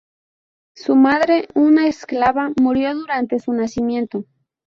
Su madre, una esclava, murió durante su nacimiento.